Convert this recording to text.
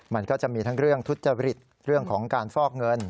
มันก็จะมีทั้งเรื่องทุจริตเรื่องของการฟอกเงิน